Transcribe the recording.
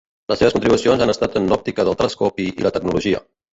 Les seves contribucions han estat en l'òptica del telescopi i la tecnologia.